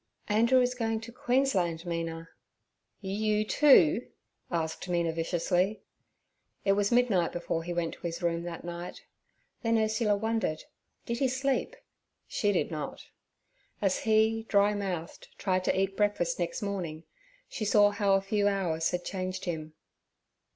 'Andrew is going to Queensland, Mina.' 'You, too?' asked Mina viciously. It was midnight before he went to his room that night. Then Ursula wondered, did he sleep? she did not. As he, dry mouthed, tried to eat breakfast next morning, she saw how a few hours had changed him.